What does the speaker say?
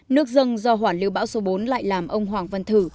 nước dân do hoàn lưu bão số bốn lại làm ông hoàng văn thử